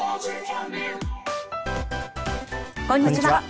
こんにちは。